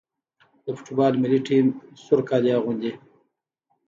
د فوټبال ملي ټیم سور کالي اغوندي.